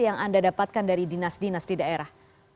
yang anda dapatkan dari dinas dinas di daerah